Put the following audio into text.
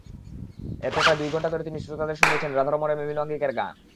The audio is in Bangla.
এরপর প্রায় দুই ঘণ্টা ধরে তিনি শ্রোতাদের শুনিয়েছেন রাধারমণের বিভিন্ন আঙ্গিকের গান।